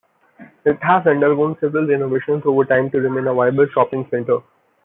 It has undergone several renovations over time to remain a viable shopping center.